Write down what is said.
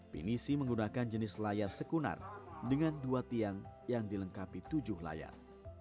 pinisi menggunakan jenis layar sekunar dengan dua tiang yang dilengkapi tujuh layar